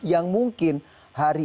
yang mungkin akan menutup ke saudi arabia